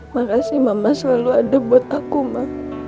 makasih mama selalu ada buat aku mak